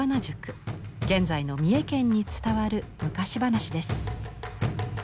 現在の三重県に伝わる昔話です。